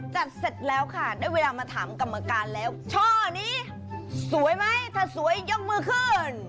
เสร็จแล้วค่ะได้เวลามาถามกรรมการแล้วช่อนี้สวยไหมถ้าสวยยกมือขึ้น